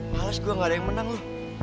males gue gak ada yang menang loh